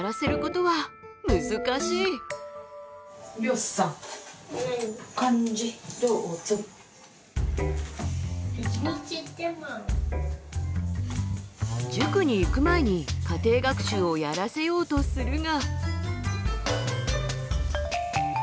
しかし塾に行く前に家庭学習をやらせようとするが。